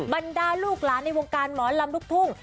บรรดาลูกหลานในวงการหมอลำลูกทุ่ง